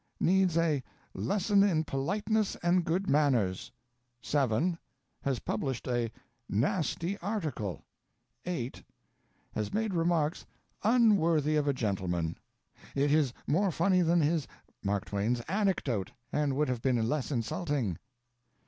Needs a "lesson in politeness and good manners." 7. Has published a "nasty article." 8. Has made remarks "unworthy of a gentleman." ["It is more funny than his" (Mark Twain's) "anecdote, and would have been less insulting."